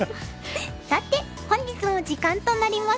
さて本日も時間となりました。